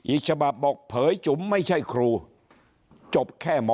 อีกฉบับบอกเผยจุ๋มไม่ใช่ครูจบแค่หมอ